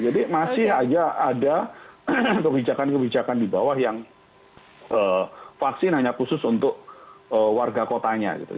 masih ada kebijakan kebijakan di bawah yang vaksin hanya khusus untuk warga kotanya gitu